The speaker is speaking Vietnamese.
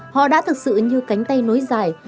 họ đã thực sự như cánh tay nối dài